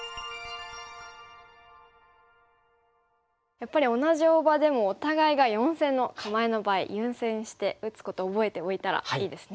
やっぱり同じ大場でもお互いが四線の構えの場合優先して打つことを覚えておいたらいいですね。